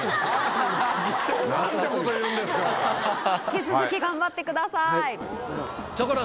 引き続き頑張ってください。